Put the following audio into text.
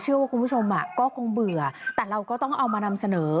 คุณผู้ชมก็คงเบื่อแต่เราก็ต้องเอามานำเสนอ